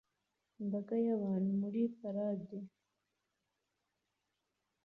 Imbaga y'abantu muri parade